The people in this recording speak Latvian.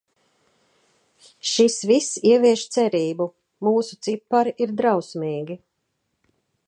Šis viss ievieš cerību. Mūsu cipari ir drausmīgi.